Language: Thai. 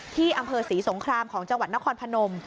ที่อำเภอศรีสงครามของจังหวัดนครพนม